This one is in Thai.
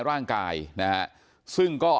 นางมอนก็บอกว่า